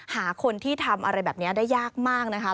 หาคนที่ทำอะไรแบบนี้ได้ยากมากนะคะ